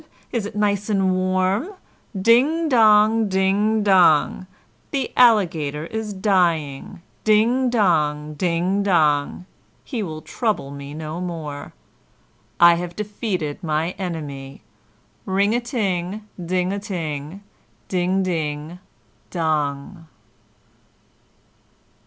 Is it nice and warm? Ding dong! ding dong! The Alligator is dying! ding dong, ding dong! He will trouble me no more. I have defeated my enemy! Ring a ting! ding a ting! ding ding dong!"